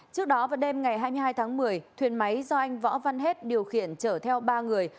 trước đó vào đêm ngày hai mươi hai tháng một mươi thuyền máy do anh võ văn hết điều khiển chở theo ba người